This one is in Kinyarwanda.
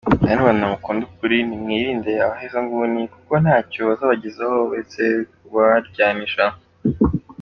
Banyarwanda mukunda ukuri, mwirinde abahezanguni kuko ntacyo bazabagezaho uretse kubaryanisha.